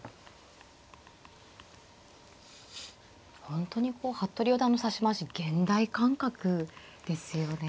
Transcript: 本当にこう服部四段の指し回し現代感覚ですよね。